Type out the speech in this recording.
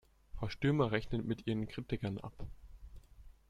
Frau Stürmer rechnet mit ihren Kritikern ab.